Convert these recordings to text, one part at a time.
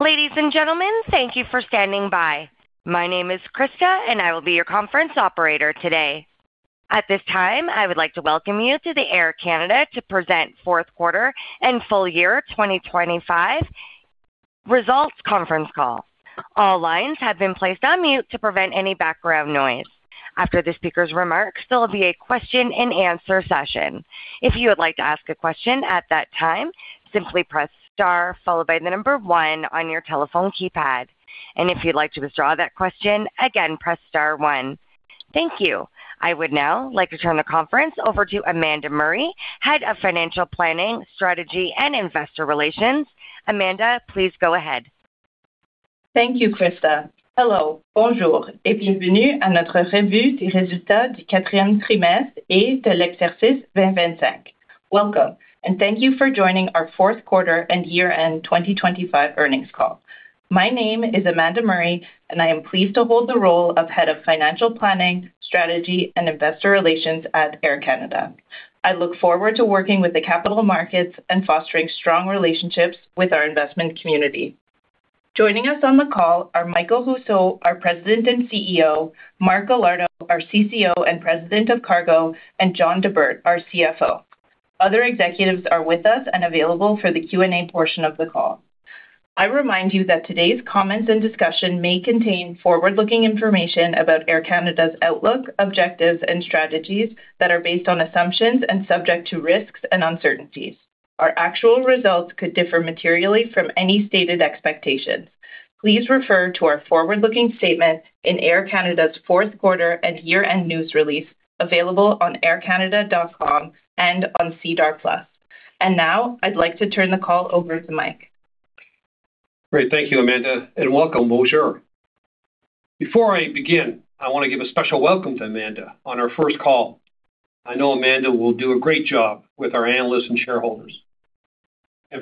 Ladies and gentlemen, thank you for standing by. My name is Krista, and I will be your conference operator today. At this time, I would like to welcome you to the Air Canada to present fourth quarter and full year 2025 results conference call. All lines have been placed on mute to prevent any background noise. After the speaker's remarks, there will be a question-and-answer session. If you would like to ask a question at that time, simply press star followed by the number one on your telephone keypad. If you'd like to withdraw that question again, press star one. Thank you. I would now like to turn the conference over to Amanda Murray, Head of Financial Planning, Strategy, and Investor Relations. Amanda, please go ahead. Thank you, Krista. Hello. Bonjour, et bienvenue à notre revue des résultats du quatrième trimestre et de l'exercice 2025. Welcome, and thank you for joining our Fourth Quarter and Year-End 2025 Earnings Call. My name is Amanda Murray, and I am pleased to hold the role of Head of Financial Planning, Strategy, and Investor Relations at Air Canada. I look forward to working with the capital markets and fostering strong relationships with our investment community. Joining us on the call are Michael Rousseau, our President and CEO, Mark Galardo, our CCO and President of Cargo, and John Di Bert, our CFO. Other executives are with us and available for the Q&A portion of the call. I remind you that today's comments and discussion may contain forward-looking information about Air Canada's outlook, objectives, and strategies that are based on assumptions and subject to risks and uncertainties. Our actual results could differ materially from any stated expectations. Please refer to our forward-looking statement in Air Canada's fourth quarter and year-end news release, available on aircanada.com and on SEDAR+. Now I'd like to turn the call over to Mike. Great. Thank you, Amanda, and welcome. Bonjour. Before I begin, I want to give a special welcome to Amanda on our first call. I know Amanda will do a great job with our analysts and shareholders.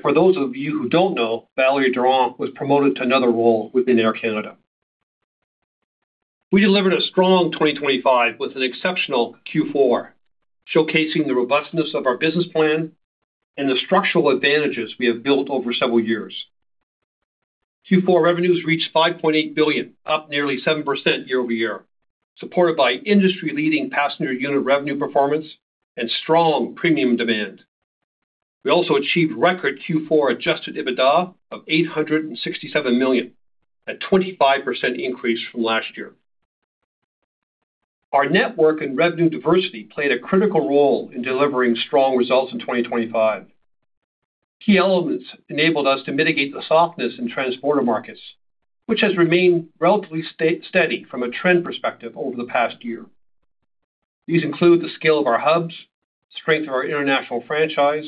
For those of you who don't know, Valerie Durand was promoted to another role within Air Canada. We delivered a strong 2025 with an exceptional Q4, showcasing the robustness of our business plan and the structural advantages we have built over several years. Q4 revenues reached 5.8 billion, up nearly 7% year-over-year, supported by industry-leading passenger unit revenue performance and strong premium demand. We also achieved record Q4 Adjusted EBITDA of 867 million, a 25% increase from last year. Our network and revenue diversity played a critical role in delivering strong results in 2025. Key elements enabled us to mitigate the softness in transborder markets, which has remained relatively steady from a trend perspective over the past year. These include the scale of our hubs, the strength of our international franchise,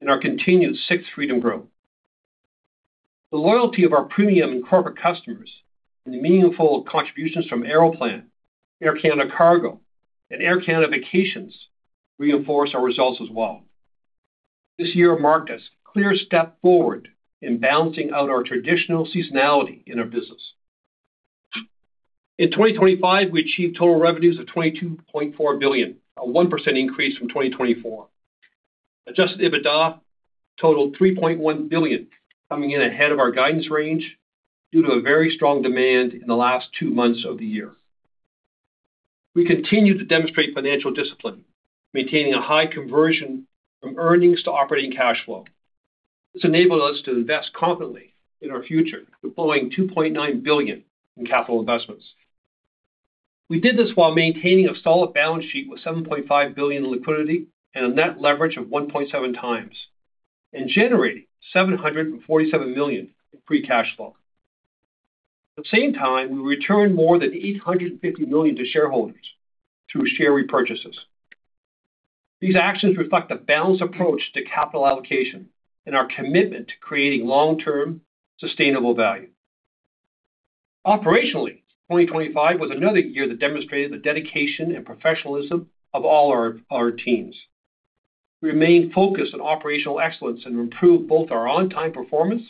and our continued Sixth Freedom growth. The loyalty of our premium and corporate customers and the meaningful contributions from Aeroplan, Air Canada Cargo, and Air Canada Vacations reinforce our results as well. This year marked us a clear step forward in balancing out our traditional seasonality in our business. In 2025, we achieved total revenues of 22.4 billion, a 1% increase from 2024. Adjusted EBITDA totaled 3.1 billion, coming in ahead of our guidance range due to a very strong demand in the last two months of the year. We continued to demonstrate financial discipline, maintaining a high conversion from earnings to operating cash flow. This enabled us to invest confidently in our future, deploying 2.9 billion in capital investments. We did this while maintaining a solid balance sheet with 7.5 billion in liquidity and a net leverage of 1.7x and generating 747 million in free cash flow. At the same time, we returned more than 850 million to shareholders through share repurchases. These actions reflect a balanced approach to capital allocation and our commitment to creating long-term, sustainable value. Operationally, 2025 was another year that demonstrated the dedication and professionalism of all our teams. We remained focused on operational excellence and improved both our on-time performance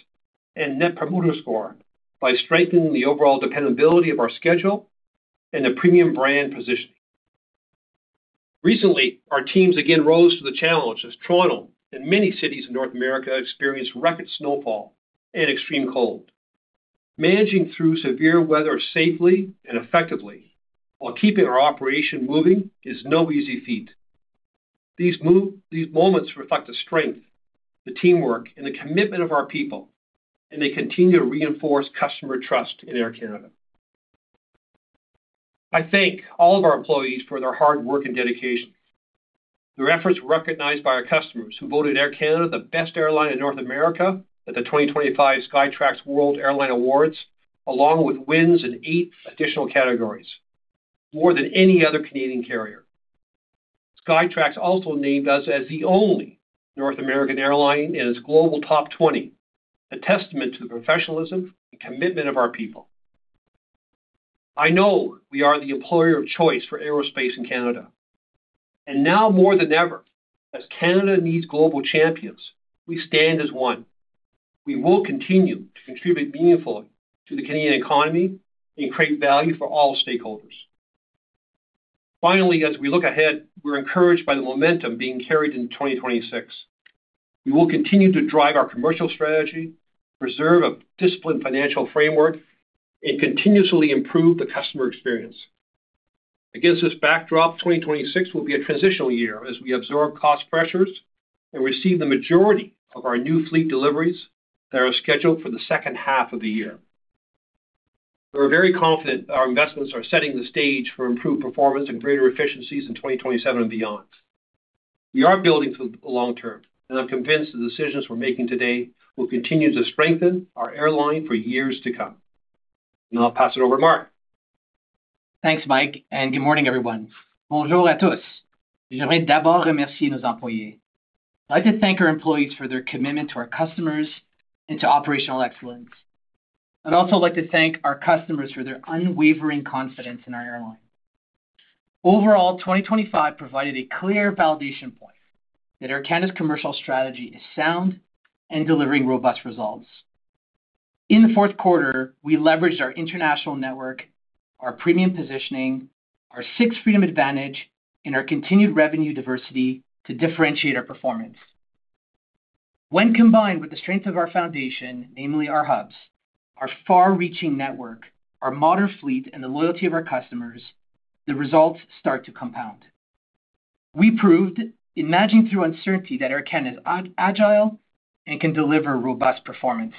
and Net Promoter Score by strengthening the overall dependability of our schedule and the premium brand positioning. Recently, our teams again rose to the challenge as Toronto and many cities in North America experienced record snowfall and extreme cold. Managing through severe weather safely and effectively while keeping our operation moving is no easy feat. These moments reflect the strength, the teamwork, and the commitment of our people, and they continue to reinforce customer trust in Air Canada. I thank all of our employees for their hard work and dedication. Their efforts were recognized by our customers, who voted Air Canada the best airline in North America at the 2025 Skytrax World Airline Awards, along with wins in eight additional categories, more than any other Canadian carrier. Skytrax also named us as the only North American airline in its global top 20, a testament to the professionalism and commitment of our people. I know we are the employer of choice for aerospace in Canada, and now more than ever, as Canada needs global champions, we stand as one. We will continue to contribute meaningfully to the Canadian economy and create value for all stakeholders. Finally, as we look ahead, we're encouraged by the momentum being carried in 2026. We will continue to drive our commercial strategy, preserve a disciplined financial framework, and continuously improve the customer experience. Against this backdrop, 2026 will be a transitional year as we absorb cost pressures and receive the majority of our new fleet deliveries that are scheduled for the second half of the year. We're very confident that our investments are setting the stage for improved performance and greater efficiencies in 2027 and beyond. We are building for the long term, and I'm convinced the decisions we're making today will continue to strengthen our airline for years to come. Now I'll pass it over to Mark. Thanks, Mike, and good morning, everyone. Bonjour à tous. J'aimerais d'abord remercier nos employés. I'd like to thank our employees for their commitment to our customers and to operational excellence. I'd also like to thank our customers for their unwavering confidence in our airline. Overall, 2025 provided a clear validation point that Air Canada's commercial strategy is sound and delivering robust results. In the fourth quarter, we leveraged our international network, our premium positioning, our sixth freedom advantage, and our continued revenue diversity to differentiate our performance. When combined with the strength of our foundation, namely our hubs, our far-reaching network, our modern fleet, and the loyalty of our customers, the results start to compound. We proved, in managing through uncertainty, that Air Canada is agile and can deliver robust performance.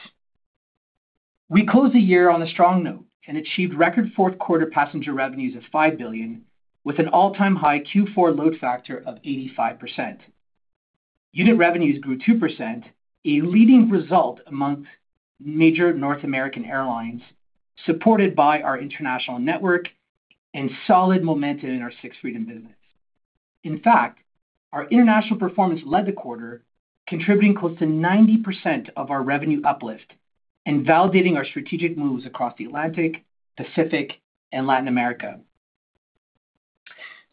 We closed the year on a strong note and achieved record fourth quarter passenger revenues of 5 billion, with an all-time high Q4 load factor of 85%. Unit revenues grew 2%, a leading result among major North American airlines, supported by our international network and solid momentum in our sixth freedom business. In fact, our international performance led the quarter, contributing close to 90% of our revenue uplift and validating our strategic moves across the Atlantic, Pacific, and Latin America.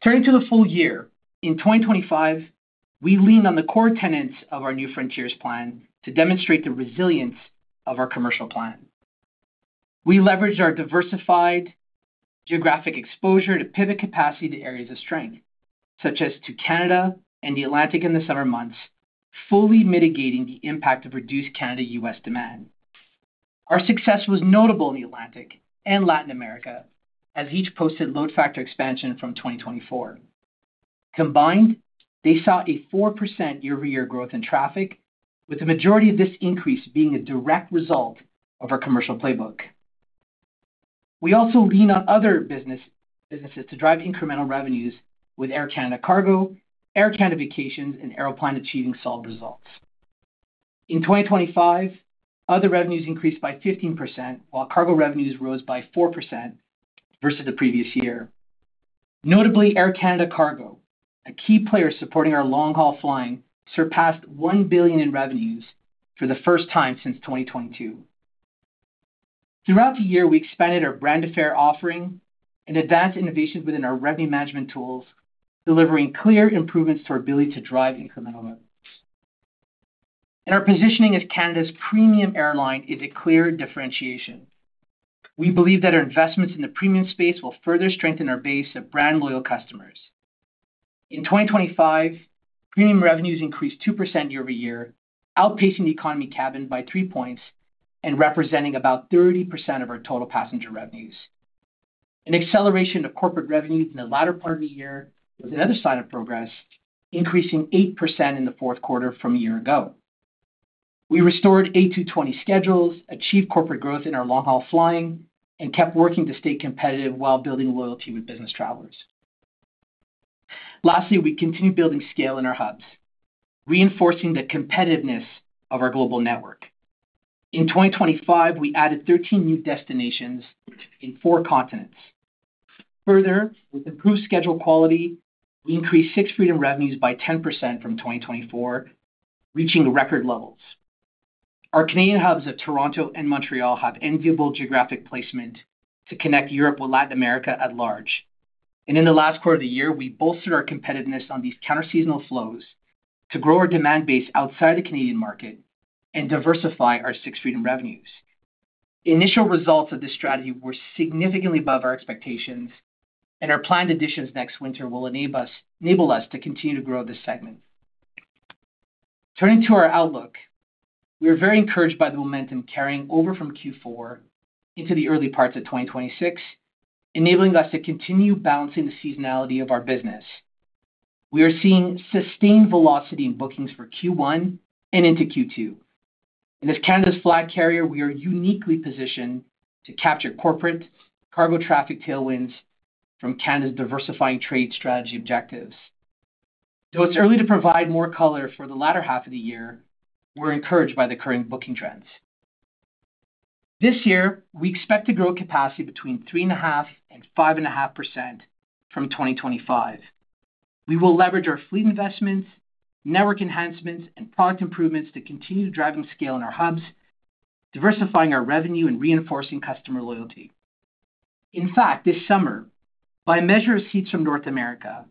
Turning to the full year, in 2025, we leaned on the core tenets of our New Frontiers plan to demonstrate the resilience of our commercial plan. We leveraged our diversified geographic exposure to pivot capacity to areas of strength, such as to Canada and the Atlantic in the summer months, fully mitigating the impact of reduced Canada-U.S. demand. Our success was notable in the Atlantic and Latin America, as each posted load factor expansion from 2024. Combined, they saw a 4% year-over-year growth in traffic, with the majority of this increase being a direct result of our commercial playbook. We also leaned on other businesses to drive incremental revenues, with Air Canada Cargo, Air Canada Vacations, and Aeroplan achieving solid results. In 2025, other revenues increased by 15%, while cargo revenues rose by 4% versus the previous year. Notably, Air Canada Cargo, a key player supporting our long-haul flying, surpassed 1 billion in revenues for the first time since 2022. Throughout the year, we expanded our brand affinity offering and advanced innovations within our revenue management tools, delivering clear improvements to our ability to drive incremental revenues. Our positioning as Canada's premium airline is a clear differentiation. We believe that our investments in the premium space will further strengthen our base of brand loyal customers. In 2025, premium revenues increased 2% year-over-year, outpacing the economy cabin by three points and representing about 30% of our total passenger revenues. An acceleration of corporate revenues in the latter part of the year was another sign of progress, increasing 8% in the fourth quarter from a year ago. We restored A220 schedules, achieved corporate growth in our long-haul flying, and kept working to stay competitive while building loyalty with business travelers. Lastly, we continued building scale in our hubs, reinforcing the competitiveness of our global network. In 2025, we added 13 new destinations in four continents. Further, with improved schedule quality, we increased Sixth Freedom revenues by 10% from 2024, reaching record levels. Our Canadian hubs at Toronto and Montreal have enviable geographic placement to connect Europe with Latin America at large. In the last quarter of the year, we bolstered our competitiveness on these counterseasonal flows to grow our demand base outside the Canadian market and diversify our Sixth Freedom revenues. Initial results of this strategy were significantly above our expectations, and our planned additions next winter will enable us, enable us to continue to grow this segment. Turning to our outlook, we are very encouraged by the momentum carrying over from Q4 into the early parts of 2026, enabling us to continue balancing the seasonality of our business. We are seeing sustained velocity in bookings for Q1 and into Q2. As Canada's flag carrier, we are uniquely positioned to capture corporate cargo traffic tailwinds from Canada's diversifying trade strategy objectives. Though it's early to provide more color for the latter half of the year, we're encouraged by the current booking trends. This year, we expect to grow capacity between 3.5% and 5.5% from 2025. We will leverage our fleet investments, network enhancements, and product improvements to continue driving scale in our hubs, diversifying our revenue and reinforcing customer loyalty. In fact, this summer, by measure of seats from North America,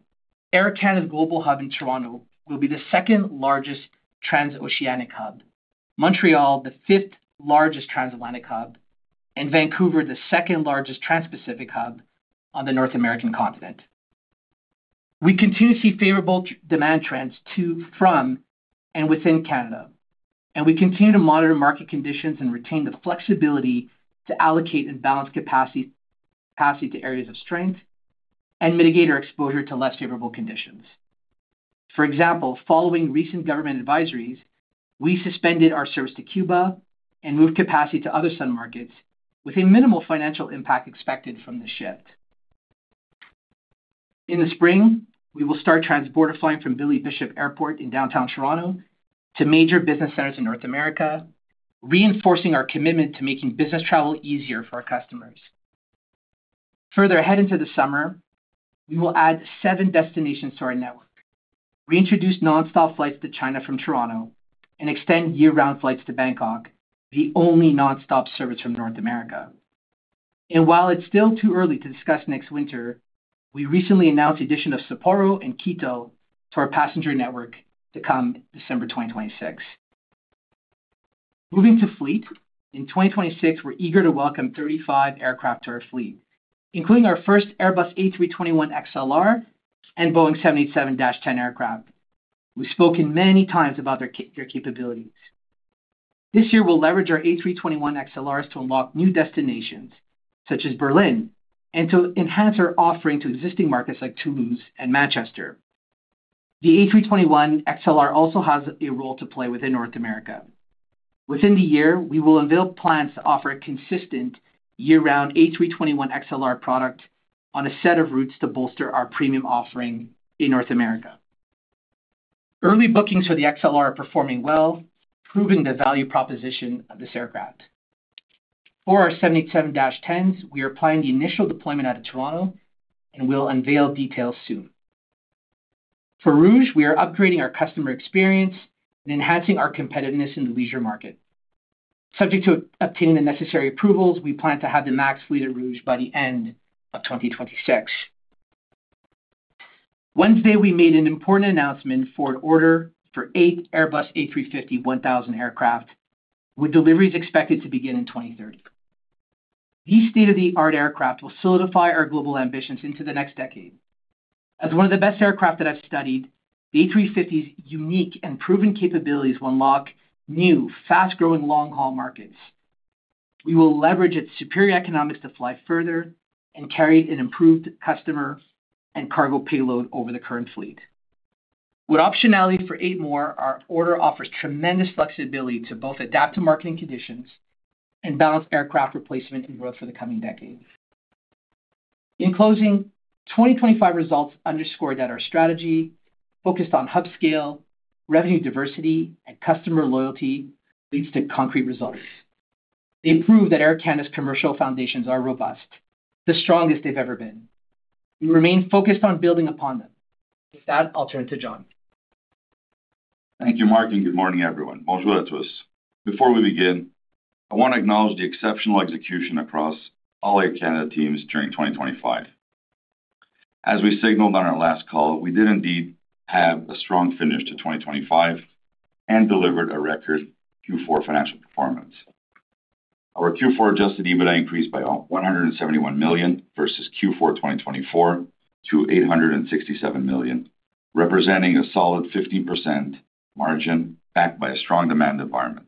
Air Canada's global hub in Toronto will be the second largest transoceanic hub, Montreal the fifth largest transatlantic hub, and Vancouver the second-largest transpacific hub on the North American continent. We continue to see favorable demand trends to, from, and within Canada, and we continue to monitor market conditions and retain the flexibility to allocate and balance capacity to areas of strength and mitigate our exposure to less favorable conditions. For example, following recent government advisories, we suspended our service to Cuba and moved capacity to other sun markets with a minimal financial impact expected from the shift. In the spring, we will start transborder flying from Billy Bishop Airport in downtown Toronto to major business centers in North America, reinforcing our commitment to making business travel easier for our customers. Further ahead into the summer, we will add seven destinations to our network: reintroduce nonstop flights to China from Toronto, and extend year-round flights to Bangkok, the only nonstop service from North America. And while it's still too early to discuss next winter, we recently announced the addition of Sapporo and Quito to our passenger network to come December 2026. Moving to fleet. In 2026, we're eager to welcome 35 aircraft to our fleet, including our first Airbus A321XLR and Boeing 787-10 aircraft. We've spoken many times about their capabilities. This year, we'll leverage our A321XLRs to unlock new destinations such as Berlin, and to enhance our offering to existing markets like Toulouse and Manchester. The A321XLR also has a role to play within North America. Within the year, we will unveil plans to offer a consistent year-round A321XLR product on a set of routes to bolster our premium offering in North America. Early bookings for the XLR are performing well, proving the value proposition of this aircraft. For our 787-10s, we are applying the initial deployment out of Toronto, and we'll unveil details soon. For Rouge, we are upgrading our customer experience and enhancing our competitiveness in the leisure market. Subject to obtaining the necessary approvals, we plan to have the MAX fleet at Rouge by the end of 2026. Wednesday, we made an important announcement for an order for 8 Airbus A350-1000 aircraft, with deliveries expected to begin in 2030. These state-of-the-art aircraft will solidify our global ambitions into the next decade. As one of the best aircraft that I've studied, the A350's unique and proven capabilities will unlock new, fast-growing, long-haul markets. We will leverage its superior economics to fly further and carry an improved customer and cargo payload over the current fleet. With optionality for 8 more, our order offers tremendous flexibility to both adapt to market conditions and balance aircraft replacement and growth for the coming decade. In closing, 2025 results underscore that our strategy, focused on hub scale, revenue diversity, and customer loyalty, leads to concrete results. They prove that Air Canada's commercial foundations are robust, the strongest they've ever been. We remain focused on building upon them. With that, I'll turn it to John. Thank you, Mark, and good morning, everyone. Bonjour à tous. Before we begin, I want to acknowledge the exceptional execution across all Air Canada teams during 2025. As we signaled on our last call, we did indeed have a strong finish to 2025 and delivered a record Q4 financial performance. Our Q4 adjusted EBITDA increased by 171 million versus Q4 2024 to 867 million, representing a solid 15% margin, backed by a strong demand environment.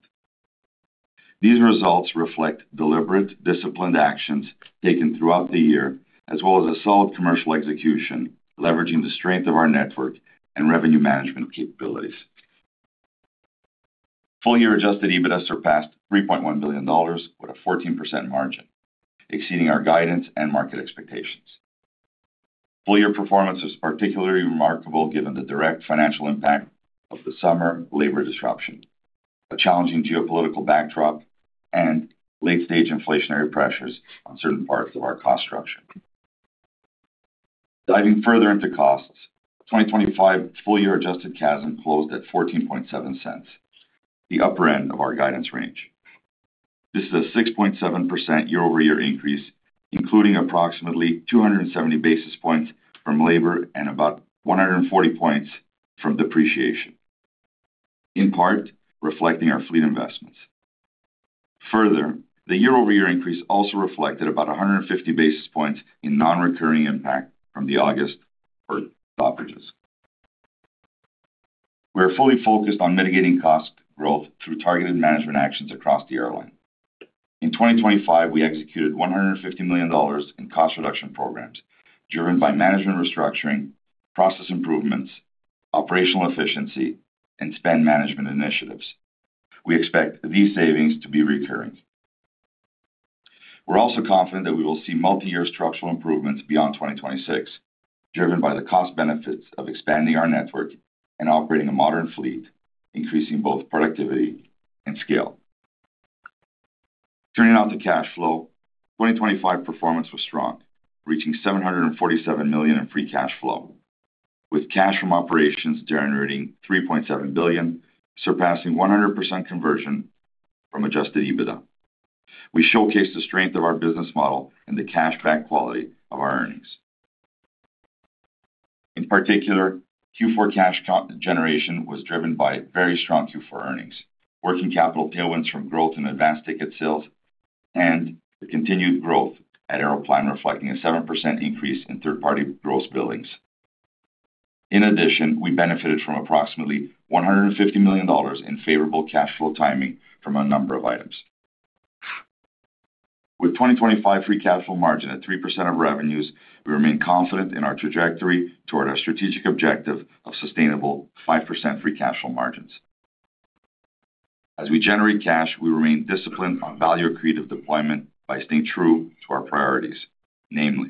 These results reflect deliberate, disciplined actions taken throughout the year, as well as a solid commercial execution, leveraging the strength of our network and revenue management capabilities. Full-year adjusted EBITDA surpassed 3.1 billion dollars, with a 14% margin, exceeding our guidance and market expectations. Full-year performance is particularly remarkable given the direct financial impact of the summer labor disruption, a challenging geopolitical backdrop, and late-stage inflationary pressures on certain parts of our cost structure. Diving further into costs, 2025 full-year adjusted CASM closed at 0.147, the upper end of our guidance range. This is a 6.7% year-over-year increase, including approximately 270 basis points from labor and about 140 points from depreciation, in part reflecting our fleet investments. Further, the year-over-year increase also reflected about 150 basis points in non-recurring impact from the August port stoppages. We are fully focused on mitigating cost growth through targeted management actions across the airline. In 2025, we executed 150 million dollars in cost reduction programs, driven by management restructuring, process improvements, operational efficiency, and spend management initiatives. We expect these savings to be recurring. We're also confident that we will see multi-year structural improvements beyond 2026, driven by the cost benefits of expanding our network and operating a modern fleet, increasing both productivity and scale. Turning now to cash flow. 2025 performance was strong, reaching 747 million in free cash flow, with cash from operations generating 3.7 billion, surpassing 100% conversion from adjusted EBITDA. We showcased the strength of our business model and the cash-back quality of our earnings. In particular, Q4 cash generation was driven by very strong Q4 earnings, working capital tailwinds from growth in advanced ticket sales, and the continued growth at Aeroplan, reflecting a 7% increase in third-party gross billings. In addition, we benefited from approximately 150 million dollars in favorable cash flow timing from a number of items. With 2025 free cash flow margin at 3% of revenues, we remain confident in our trajectory toward our strategic objective of sustainable 5% free cash flow margins. As we generate cash, we remain disciplined on value-creating deployment by staying true to our priorities, namely,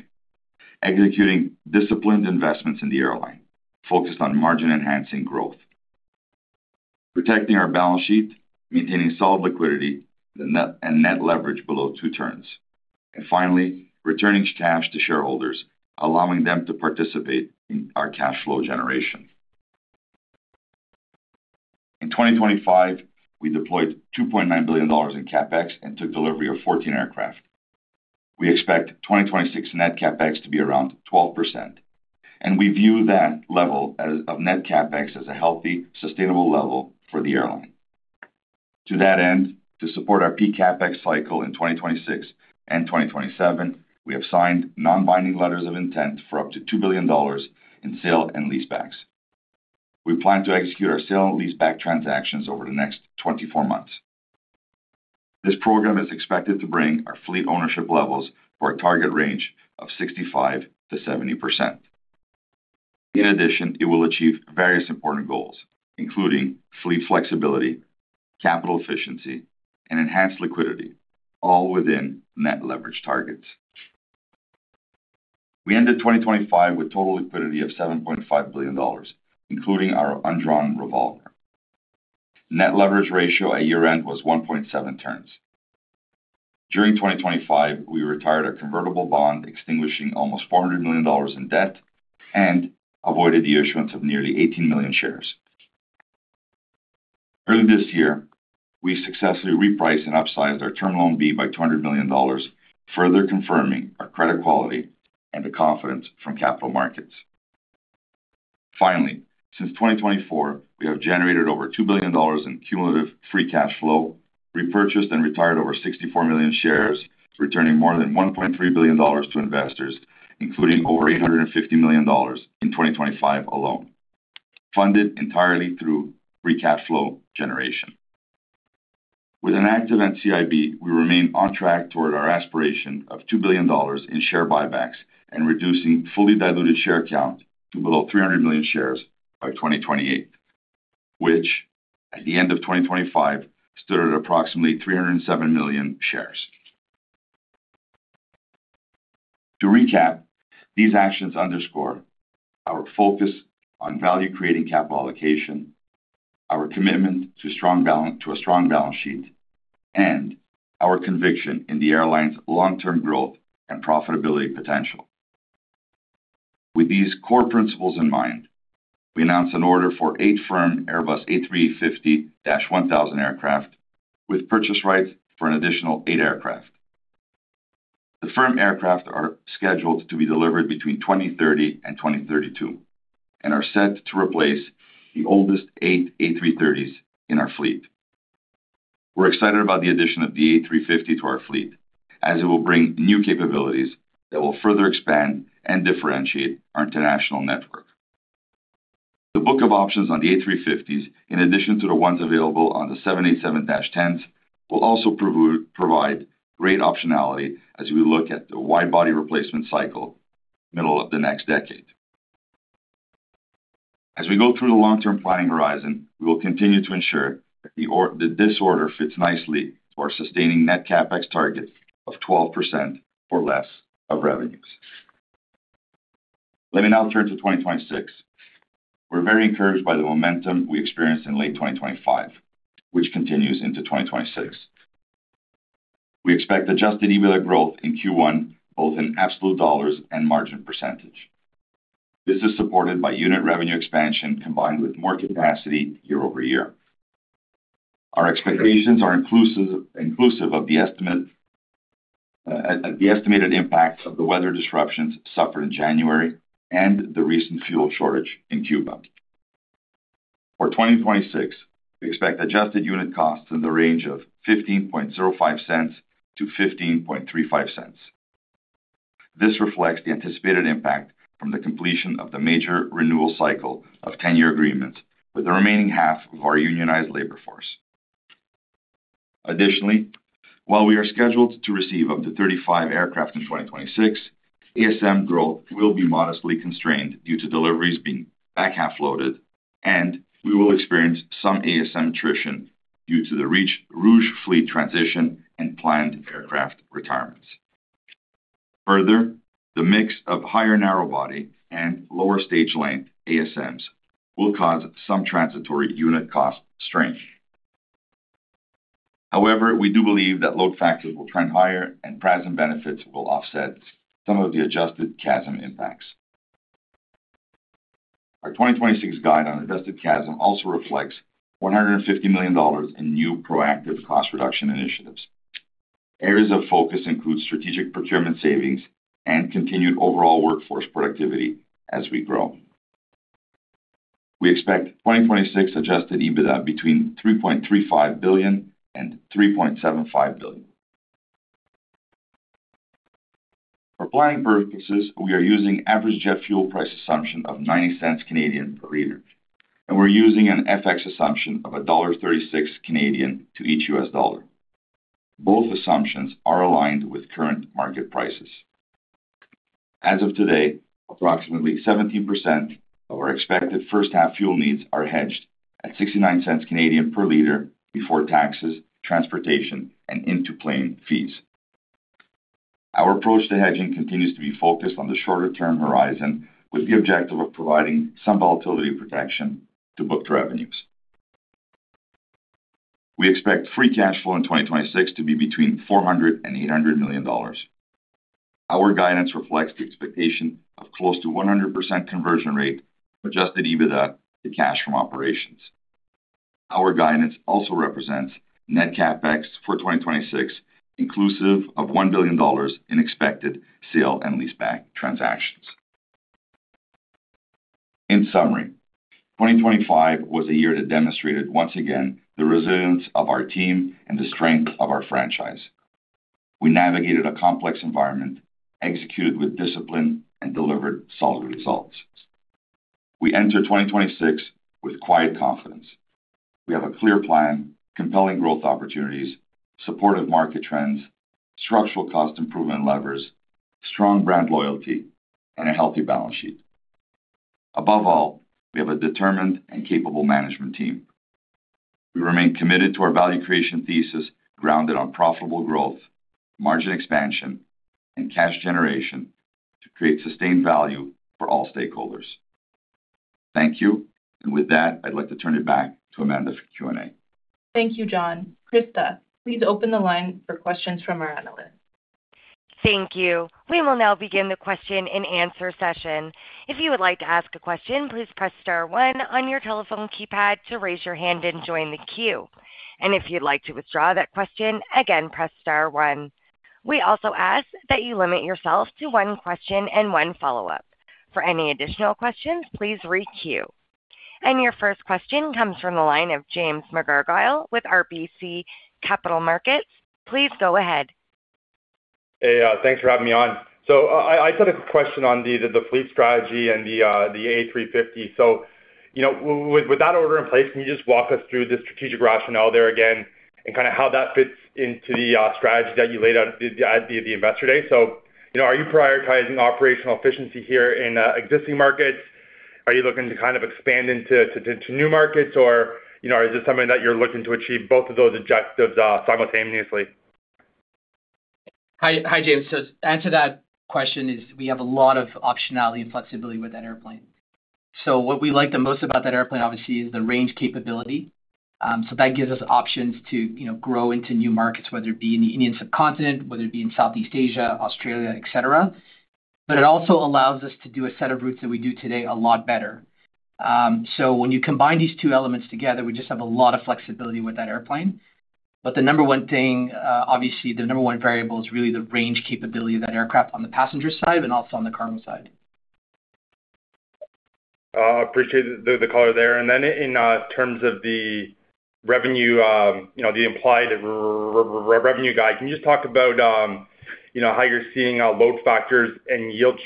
executing disciplined investments in the airline, focused on margin-enhancing growth, protecting our balance sheet, maintaining solid liquidity and net leverage below 2x, and finally, returning cash to shareholders, allowing them to participate in our cash flow generation. In 2025, we deployed 2.9 billion dollars in CapEx and took delivery of 14 aircraft. We expect 2026 net CapEx to be around 12%, and we view that level of net CapEx as a healthy, sustainable level for the airline. To that end, to support our peak CapEx cycle in 2026 and 2027, we have signed non-binding letters of intent for up to 2 billion dollars in sale-leasebacks. We plan to execute our sale-leaseback transactions over the next 24 months. This program is expected to bring our fleet ownership levels to our target range of 65%-70%. In addition, it will achieve various important goals, including fleet flexibility, capital efficiency, and enhanced liquidity, all within net leverage targets. We ended 2025 with total liquidity of 7.5 billion dollars, including our undrawn revolver. Net leverage ratio at year-end was 1.7 turns. During 2025, we retired a convertible bond, extinguishing almost 400 million dollars in debt and avoided the issuance of nearly 18 million shares. Early this year, we successfully repriced and upsized our Term Loan B by $200 million, further confirming our credit quality and the confidence from capital markets. Finally, since 2024, we have generated over $2 billion in cumulative free cash flow, repurchased and retired over 64 million shares, returning more than $1.3 billion to investors, including over $850 million in 2025 alone, funded entirely through free cash flow generation. With an active NCIB, we remain on track toward our aspiration of $2 billion in share buybacks and reducing fully diluted share count to below 300 million shares by 2028, which, at the end of 2025, stood at approximately 307 million shares. To recap, these actions underscore our focus on value-creating capital allocation, our commitment to a strong balance sheet, and our conviction in the airline's long-term growth and profitability potential. With these core principles in mind, we announced an order for eight firm Airbus A350-1000 aircraft with purchase rights for an additional eight aircraft. The firm aircraft are scheduled to be delivered between 2030 and 2032 and are set to replace the oldest eight A330s in our fleet. We're excited about the addition of the A350 to our fleet, as it will bring new capabilities that will further expand and differentiate our international network. The book of options on the A350s, in addition to the ones available on the 787-10s, will also provide great optionality as we look at the wide-body replacement cycle, middle of the next decade. As we go through the long-term planning horizon, we will continue to ensure that that this order fits nicely to our sustaining Net CapEx target of 12% or less of revenues. Let me now turn to 2026. We're very encouraged by the momentum we experienced in late 2025, which continues into 2026. We expect Adjusted EBITDA growth in Q1, both in absolute dollars and margin percentage. This is supported by unit revenue expansion, combined with more capacity year-over-year. Our expectations are inclusive of the estimated impacts of the weather disruptions suffered in January and the recent fuel shortage in Cuba. For 2026, we expect adjusted unit costs in the range of 0.1505-0.1535. This reflects the anticipated impact from the completion of the major renewal cycle of ten-year agreements with the remaining half of our unionized labor force. Additionally, while we are scheduled to receive up to 35 aircraft in 2026, ASM growth will be modestly constrained due to deliveries being back-half loaded, and we will experience some ASM attrition due to the Reach Rouge fleet transition and planned aircraft retirements. Further, the mix of higher narrow-body and lower stage length ASMs will cause some transitory unit cost strength. However, we do believe that load factors will trend higher and PRASM benefits will offset some of the adjusted CASM impacts. Our 2026 guide on adjusted CASM also reflects 150 million dollars in new proactive cost reduction initiatives. Areas of focus include strategic procurement savings and continued overall workforce productivity as we grow. We expect 2026 Adjusted EBITDA between 3.35 billion-3.75 billion. For planning purposes, we are using average jet fuel price assumption of 0.90 per litre, and we're using an FX assumption of 1.36 Canadian dollars to each US dollar. Both assumptions are aligned with current market prices. As of today, approximately 17% of our expected first half fuel needs are hedged at 0.69 per litre before taxes, transportation, and into-plane fees. Our approach to hedging continues to be focused on the shorter-term horizon, with the objective of providing some volatility protection to booked revenues. We expect free cash flow in 2026 to be between 400 million-800 million dollars. Our guidance reflects the expectation of close to 100% conversion rate of Adjusted EBITDA to cash from operations. Our guidance also represents Net CapEx for 2026, inclusive of 1 billion dollars in expected sale-leaseback transactions. In summary, 2025 was a year that demonstrated once again the resilience of our team and the strength of our franchise. We navigated a complex environment, executed with discipline, and delivered solid results. We enter 2026 with quiet confidence. We have a clear plan, compelling growth opportunities, supportive market trends, structural cost improvement levers, strong brand loyalty, and a healthy balance sheet. Above all, we have a determined and capable management team. We remain committed to our value creation thesis, grounded on profitable growth, margin expansion, and cash generation to create sustained value for all stakeholders. Thank you. And with that, I'd like to turn it back to Amanda for Q&A. Thank you, John. Krista, please open the line for questions from our analysts. Thank you. We will now begin the question-and-answer session. If you would like to ask a question, please press star one on your telephone keypad to raise your hand and join the queue. If you'd like to withdraw that question, again, press star one. We also ask that you limit yourself to one question and one follow-up. For any additional questions, please requeue. Your first question comes from the line of James McGarragle with RBC Capital Markets. Please go ahead. Hey, thanks for having me on. So I had a question on the fleet strategy and the A350. So, you know, with that order in place, can you just walk us through the strategic rationale there again, and kind of how that fits into the strategy that you laid out at the Investor Day? So, you know, are you prioritizing operational efficiency here in existing markets? Are you looking to kind of expand into new markets? Or, you know, is this something that you're looking to achieve both of those objectives simultaneously? Hi, hi, James. So to answer that question is: we have a lot of optionality and flexibility with that airplane. So what we like the most about that airplane, obviously, is the range capability. So that gives us options to, you know, grow into new markets, whether it be in the Indian subcontinent, whether it be in Southeast Asia, Australia, et cetera. But it also allows us to do a set of routes that we do today a lot better. So when you combine these two elements together, we just have a lot of flexibility with that airplane. But the number one thing, obviously, the number one variable is really the range capability of that aircraft on the passenger side and also on the cargo side. Appreciate the color there. And then in terms of the revenue, you know, the implied revenue guide, can you just talk about, you know, how you're seeing load factors and yield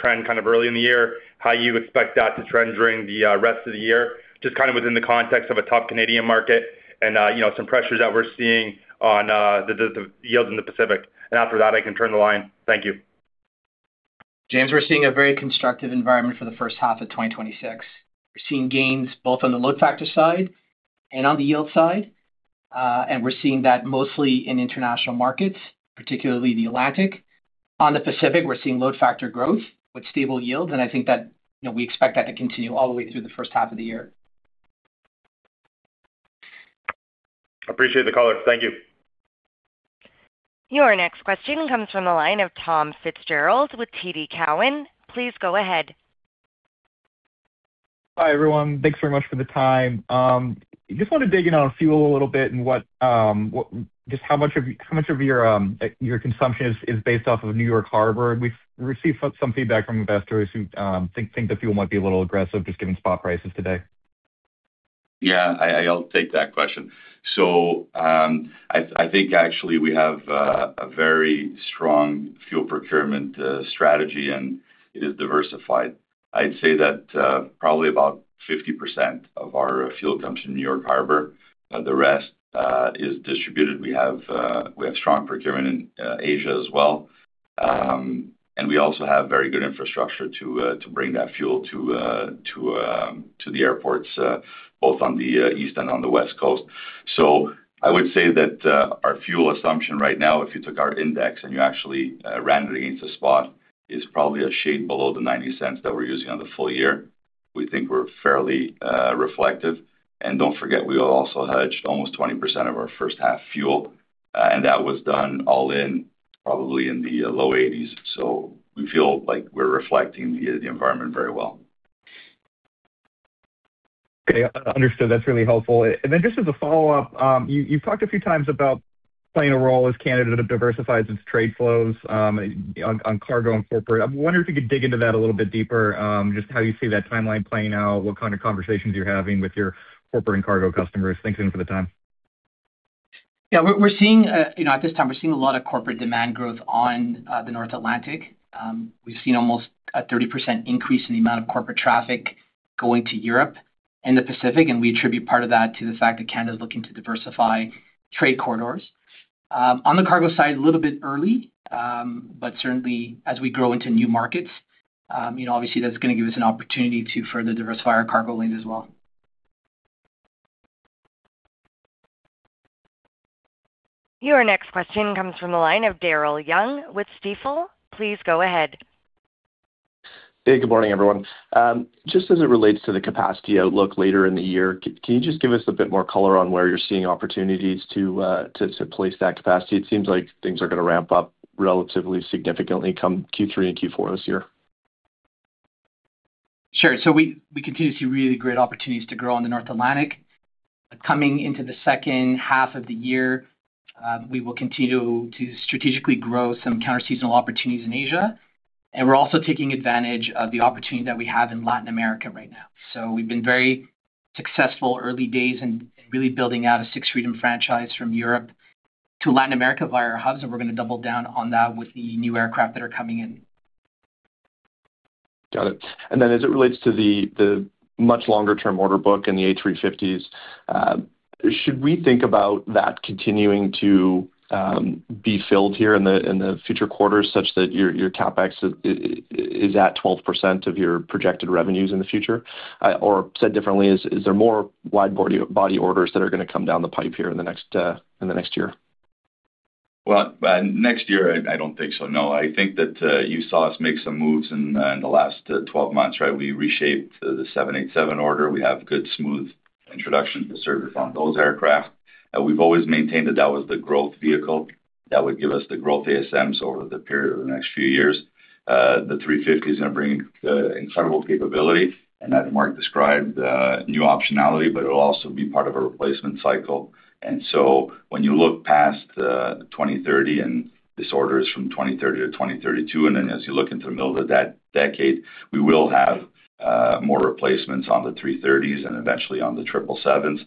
trend kind of early in the year, how you expect that to trend during the rest of the year, just kind of within the context of a top Canadian market and, you know, some pressures that we're seeing on the yield in the Pacific. And after that, I can turn the line. Thank you. James, we're seeing a very constructive environment for the first half of 2026. We're seeing gains both on the load factor side and on the yield side, and we're seeing that mostly in international markets, particularly the Atlantic. On the Pacific, we're seeing load factor growth with stable yields, and I think that, you know, we expect that to continue all the way through the first half of the year. Appreciate the color. Thank you. Your next question comes from the line of Tom Fitzgerald with TD Cowen. Please go ahead. Hi, everyone. Thanks very much for the time. Just wanted to dig in on fuel a little bit and just how much of your consumption is based off of New York Harbor? We've received some feedback from investors who think the fuel might be a little aggressive just given spot prices today. Yeah, I, I'll take that question. So, I think actually we have a very strong fuel procurement strategy, and it is diversified. I'd say that, probably about 50% of our fuel comes from New York Harbor. The rest is distributed. We have strong procurement in Asia as well. And we also have very good infrastructure to bring that fuel to the airports, both on the East and on the West Coast. So I would say that, our fuel assumption right now, if you took our index and you actually ran it against the spot, is probably a shade below the $0.90 that we're using on the full year. We think we're fairly reflective. Don't forget, we also hedged almost 20% of our first half fuel, and that was done all in probably in the low 80s. We feel like we're reflecting the environment very well. Okay, understood. That's really helpful. And then just as a follow-up, you've talked a few times about playing a role as Canada diversifies its trade flows, on cargo and corporate. I wonder if you could dig into that a little bit deeper, just how you see that timeline playing out, what kind of conversations you're having with your corporate and cargo customers. Thanks again for the time. Yeah, we're seeing, you know, at this time, we're seeing a lot of corporate demand growth on the North Atlantic. We've seen almost a 30% increase in the amount of corporate traffic going to Europe and the Pacific, and we attribute part of that to the fact that Canada is looking to diversify trade corridors. On the cargo side, a little bit early, but certainly as we grow into new markets, you know, obviously, that's gonna give us an opportunity to further diversify our cargo lanes as well. Your next question comes from the line of Daryl Young with Stifel. Please go ahead. Hey, good morning, everyone. Just as it relates to the capacity outlook later in the year, can you just give us a bit more color on where you're seeing opportunities to place that capacity? It seems like things are going to ramp up relatively significantly come Q3 and Q4 this year. Sure. So we continue to see really great opportunities to grow on the North Atlantic. Coming into the second half of the year, we will continue to strategically grow some counterseasonal opportunities in Asia, and we're also taking advantage of the opportunity that we have in Latin America right now. So we've been very successful early days in really building out a Sixth Freedom franchise from Europe to Latin America via our hubs, and we're going to double down on that with the new aircraft that are coming in. Got it. And then, as it relates to the much longer-term order book and the A350s, should we think about that continuing to be filled here in the future quarters, such that your CapEx is at 12% of your projected revenues in the future? Or said differently, is there more wide-body orders that are going to come down the pipe here in the next year? Well, next year, I, I don't think so, no. I think that you saw us make some moves in the last 12 months, right? We reshaped the 787 order. We have good, smooth introduction to service on those aircraft. We've always maintained that that was the growth vehicle that would give us the growth ASMs over the period of the next few years. The 350 is going to bring incredible capability, and as Mark described, new optionality, but it'll also be part of a replacement cycle. And so when you look past 2030 and orders from 2030 to 2032, and then as you look into the middle of that decade, we will have more replacements on the 330s and eventually on the 777s. You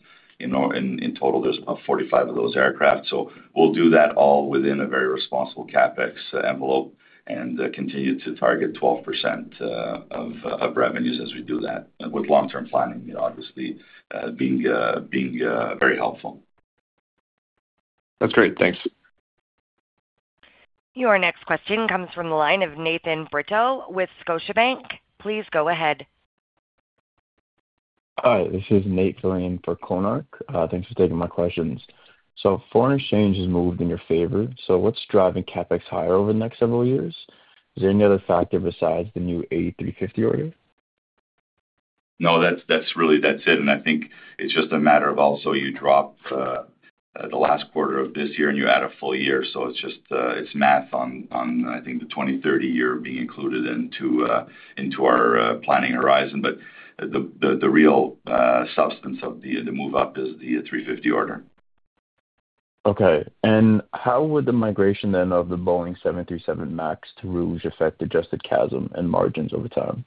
know, in total, there's about 45 of those aircraft. So we'll do that all within a very responsible CapEx envelope and continue to target 12% of revenues as we do that, with long-term planning, you know, obviously being very helpful. That's great. Thanks. Your next question comes from the line of Nathan Britto with Scotiabank. Please go ahead. Hi, this is Nate filling in for Konark. Thanks for taking my questions. So foreign exchange has moved in your favor, so what's driving CapEx higher over the next several years? Is there any other factor besides the new A350 order? No, that's, that's really, that's it. And I think it's just a matter of also you drop the last quarter of this year, and you add a full year. So it's just, it's math on, on, I think, the 2030 year being included into, into our, planning horizon. But the, the, the real, substance of the, the move up is the A350 order. Okay, and how would the migration then of the Boeing 737 MAX to Rouge affect Adjusted CASM and margins over time?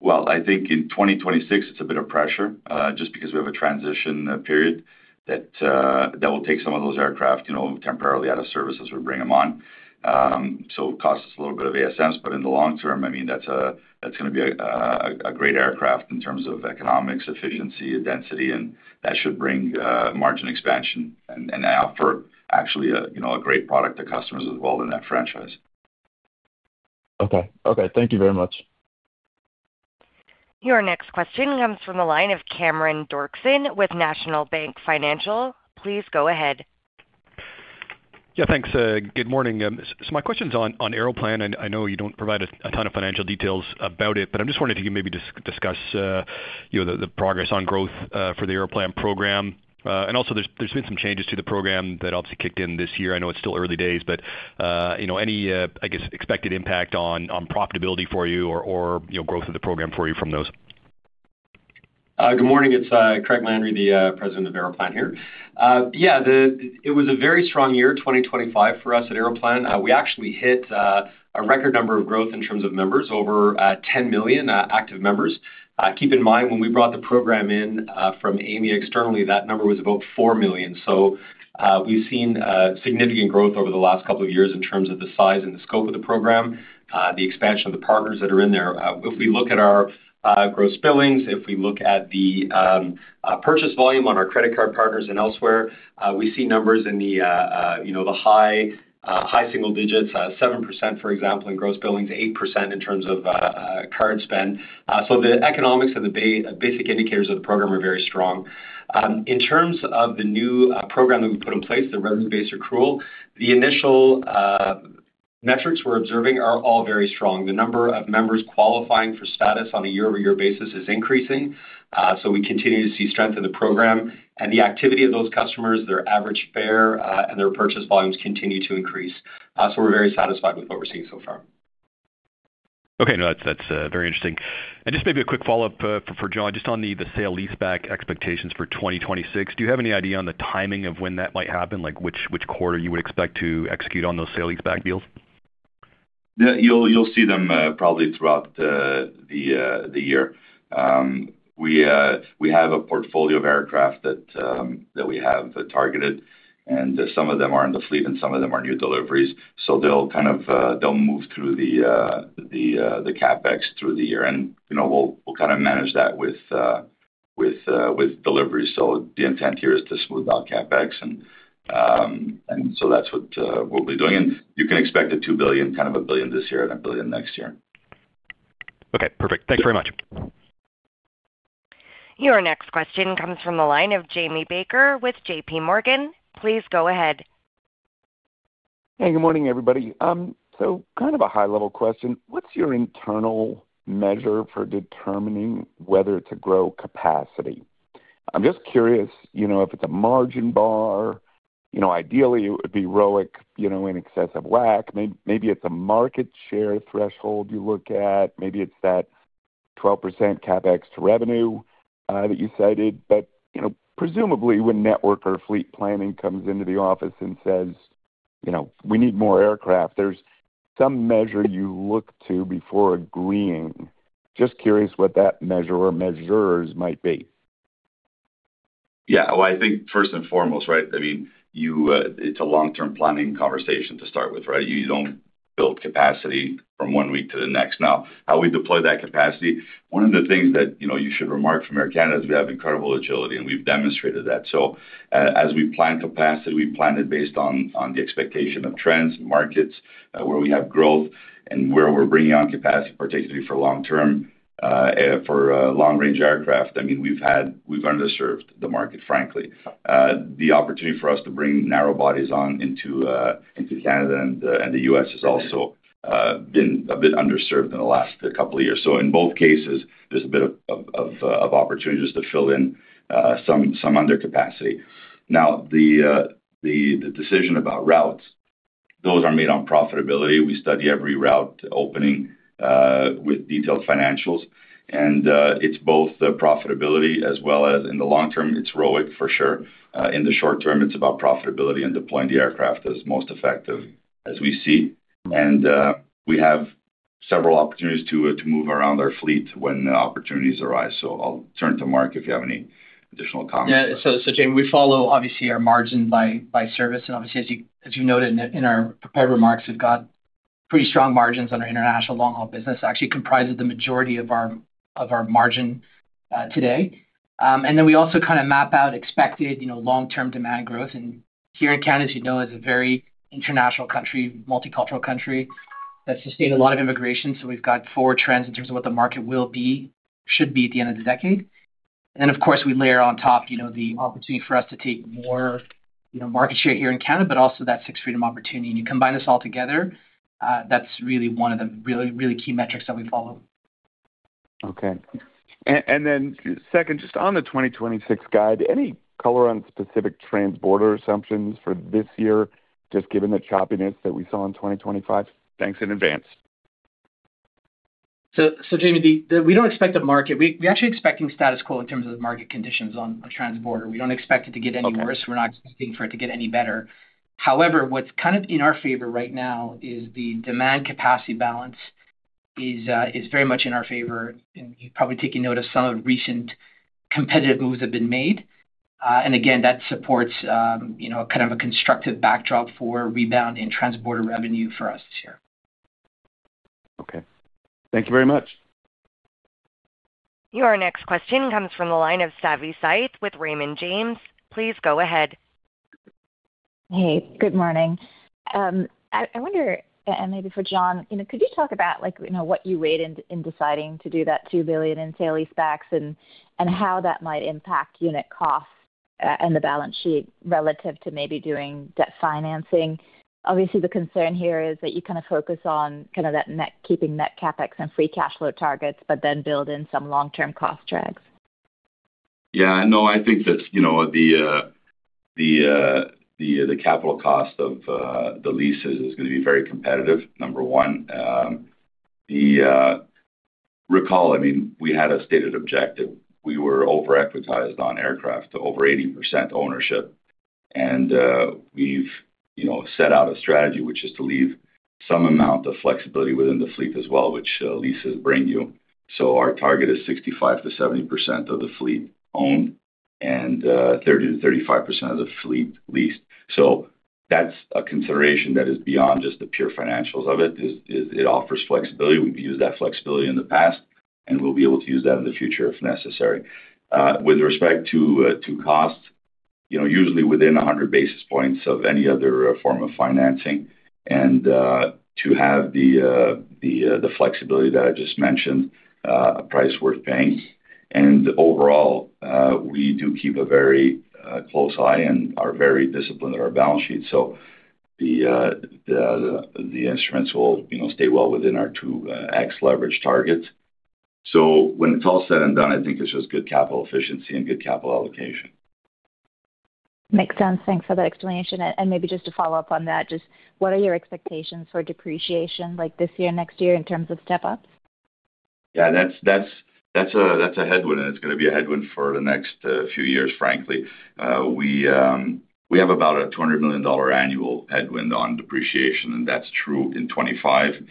Well, I think in 2026, it's a bit of pressure, just because we have a transition period that, that will take some of those aircraft, you know, temporarily out of service as we bring them on. So it costs a little bit of ASMs, but in the long term, I mean, that's going to be a, a, a great aircraft in terms of economics, efficiency, density, and that should bring margin expansion and, and offer actually a, you know, a great product to customers as well in that franchise. Okay. Okay, thank you very much. Your next question comes from the line of Cameron Doerksen with National Bank Financial. Please go ahead. Yeah, thanks. Good morning. So my question's on Aeroplan, and I know you don't provide a ton of financial details about it, but I'm just wondering if you can maybe discuss, you know, the progress on growth for the Aeroplan program. And also, there's been some changes to the program that obviously kicked in this year. I know it's still early days, but you know, any, I guess, expected impact on profitability for you or, you know, growth of the program for you from those? Good morning. It's Craig Landry, the president of Aeroplan here. Yeah, it was a very strong year, 2025, for us at Aeroplan. We actually hit a record number of growth in terms of members, over 10 million active members. Keep in mind, when we brought the program in from Aimia externally, that number was about 4 million. So, we've seen significant growth over the last couple of years in terms of the size and the scope of the program, the expansion of the partners that are in there. If we look at our gross billings, if we look at the purchase volume on our credit card partners and elsewhere, we see numbers in the, you know, the high single digits, 7%, for example, in gross billings, 8% in terms of card spend. So the economics and the basic indicators of the program are very strong. In terms of the new program that we put in place, the revenue-based accrual, the initial metrics we're observing are all very strong. The number of members qualifying for status on a year-over-year basis is increasing, so we continue to see strength in the program. And the activity of those customers, their average fare and their purchase volumes continue to increase. So we're very satisfied with what we're seeing so far. Okay. No, that's very interesting. Just maybe a quick follow-up for John, just on the sale leaseback expectations for 2026. Do you have any idea on the timing of when that might happen? Like, which quarter you would expect to execute on those sale leaseback deals? Yeah, you'll see them probably throughout the year. We have a portfolio of aircraft that we have targeted, and some of them are in the fleet, and some of them are new deliveries. So they'll kind of move through the CapEx through the year, and, you know, we'll kind of manage that with deliveries. So the intent here is to smooth out CapEx, and so that's what we'll be doing. And you can expect 2 billion, kind of 1 billion this year and 1 billion next year. Okay, perfect. Thanks very much. Your next question comes from the line of Jamie Baker with JPMorgan. Please go ahead. Hey, good morning, everybody. So kind of a high-level question: What's your internal measure for determining whether to grow capacity? I'm just curious, you know, if it's a margin bar. You know, ideally, it would be ROIC, you know, in excess of WACC. Maybe it's a market share threshold you look at, maybe it's that 12% CapEx to revenue that you cited. But, you know, presumably, when network or fleet planning comes into the office and says, "You know, we need more aircraft," there's some measure you look to before agreeing. Just curious what that measure or measures might be. Yeah. Well, I think first and foremost, right, I mean, you, it's a long-term planning conversation to start with, right? You don't build capacity from one week to the next. Now, how we deploy that capacity, one of the things that, you know, you should remark from Air Canada is we have incredible agility, and we've demonstrated that. So, as we plan capacity, we plan it based on, on the expectation of trends and markets, where we have growth and where we're bringing on capacity, particularly for long-term, for, long-range aircraft. I mean, we've underserved the market, frankly. The opportunity for us to bring narrow bodies on into, into Canada and the, and the U.S. has also, been a bit underserved in the last couple of years. So in both cases, there's a bit of opportunities to fill in some under capacity. Now, the decision about routes, those are made on profitability. We study every route opening with detailed financials, and it's both the profitability as well as in the long term, it's ROIC for sure. In the short term, it's about profitability and deploying the aircraft as most effective as we see. And we have several opportunities to move around our fleet when opportunities arise. So I'll turn to Mark if you have any additional comments. Yeah. So, Jamie, we follow obviously our margin by service, and obviously, as you noted in our prepared remarks, we've got pretty strong margins on our international long-haul business, actually comprises the majority of our margin today. And then we also kind of map out expected, you know, long-term demand growth. And here in Canada, as you know, is a very international country, multicultural country, that's sustained a lot of immigration, so we've got forward trends in terms of what the market will be, should be at the end of the decade. And then, of course, we layer on top, you know, the opportunity for us to take more, you know, market share here in Canada, but also that Sixth Freedom opportunity. You combine this all together, that's really one of the really, really key metrics that we follow. Okay. And then second, just on the 2026 guide, any color on specific transborder assumptions for this year, just given the choppiness that we saw in 2025? Thanks in advance. Jamie, we don't expect the market. We're actually expecting status quo in terms of the market conditions on transborder. We don't expect it to get any worse. Okay. We're not expecting for it to get any better. However, what's kind of in our favor right now is the demand capacity balance is very much in our favor. You've probably taken note of some of the recent competitive moves that have been made. Again, that supports, you know, kind of a constructive backdrop for rebound in transborder revenue for us this year. Okay. Thank you very much. Your next question comes from the line of Savi Syth with Raymond James. Please go ahead. Hey, good morning. I wonder, and maybe for John, you know, could you talk about like, you know, what you weighed in in deciding to do that 2 billion in sale-leasebacks and how that might impact unit costs, and the balance sheet relative to maybe doing debt financing? Obviously, the concern here is that you kind of focus on kind of that net, keeping net CapEx and free cash flow targets, but then build in some long-term cost drags. Yeah, no, I think that, you know, the capital cost of the leases is going to be very competitive, number one. Recall, I mean, we had a stated objective. We were over-equitized on aircraft to over 80% ownership, and we've, you know, set out a strategy, which is to leave some amount of flexibility within the fleet as well, which leases bring you. So our target is 65%-70% of the fleet owned and 30%-35% of the fleet leased. So that's a consideration that is beyond just the pure financials of it, is it, it offers flexibility. We've used that flexibility in the past, and we'll be able to use that in the future if necessary. With respect to cost, you know, usually within 100 basis points of any other form of financing, and to have the flexibility that I just mentioned, a price worth paying. And overall, we do keep a very close eye and are very disciplined with our balance sheet. So the instruments will, you know, stay well within our 2x leverage targets. So when it's all said and done, I think it's just good capital efficiency and good capital allocation. Makes sense. Thanks for that explanation. And maybe just to follow up on that, just what are your expectations for depreciation like this year, next year, in terms of step-ups? Yeah, that's a headwind, and it's going to be a headwind for the next few years, frankly. We have about a 200 million dollar annual headwind on depreciation, and that's true in 2025.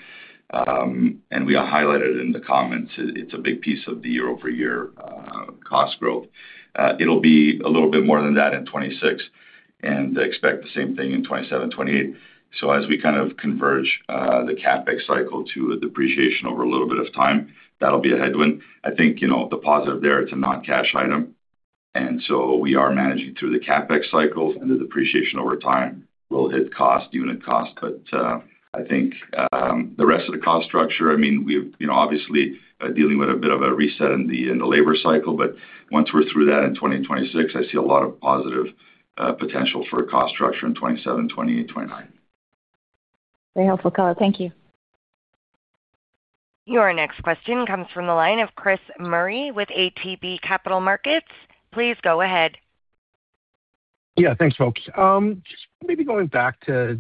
And we are highlighted in the comments, it's a big piece of the year-over-year cost growth. It'll be a little bit more than that in 2026, and expect the same thing in 2027, 2028. So as we kind of converge the CapEx cycle to a depreciation over a little bit of time, that'll be a headwind. I think, you know, the positive there, it's a non-cash item, and so we are managing through the CapEx cycles and the depreciation over time will hit cost, unit cost. I think the rest of the cost structure, I mean, we've, you know, obviously dealing with a bit of a reset in the labor cycle, but once we're through that in 2026, I see a lot of positive potential for a cost structure in 2027, 2028, 2029. Very helpful call. Thank you. Your next question comes from the line of Chris Murray with ATB Capital Markets. Please go ahead. Yeah, thanks, folks. Just maybe going back to